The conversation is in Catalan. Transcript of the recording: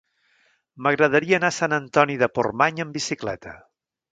M'agradaria anar a Sant Antoni de Portmany amb bicicleta.